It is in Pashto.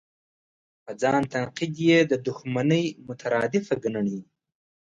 په ځان تنقید یې د دوښمنۍ مترادفه ګڼي.